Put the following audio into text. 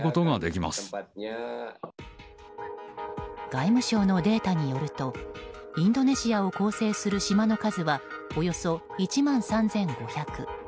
外務省のデータによるとインドネシアを構成する島の数はおよそ１万３５００。